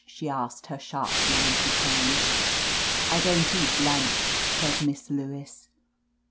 she' asked her sharply, when she came. "I don^t eat lunch," said Miss Lewis.